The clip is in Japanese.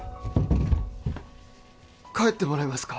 帰ってもらえますか？